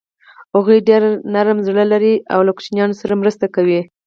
هغوی ډېر نرم زړه لري او له ماشومانو سره مرسته کوي.